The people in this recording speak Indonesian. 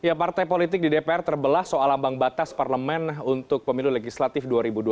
ya partai politik di dpr terbelah soal ambang batas parlemen untuk pemilu legislatif dua ribu dua puluh